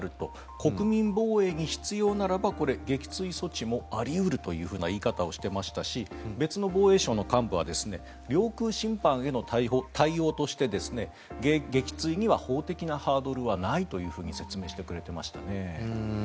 国民防衛に必要ならばこれは撃墜措置もあり得るという言い方をしていましたし別の防衛省の幹部は領空侵犯に対する対応として撃墜には法的なハードルはないと説明してくれていましたね。